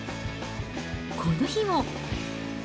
この日も。